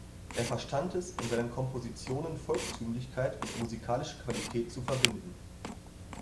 Er verstand es, in seinen Kompositionen Volkstümlichkeit und musikalische Qualität zu verbinden.